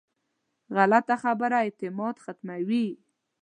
غلطه خبره اعتماد ختموي